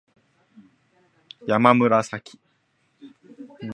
やまむらさき